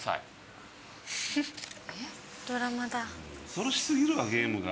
恐ろしすぎるなゲームが。